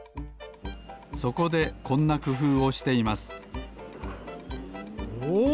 そこでこんなくふうをしていますお！